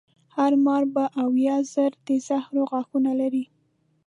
هر مار به اویا زره د زهرو غاښونه لري.